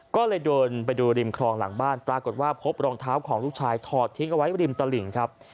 ก็เลยเดินไปดูริมคลองหลังบ้านปรากฏว่าพบรองเท้าของลูกชายถอดทิ้งเอาไว้ริมตลิ่งครับ